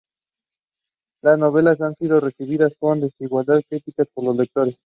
Las novelas han sido recibidas con desigual crítica por los lectores.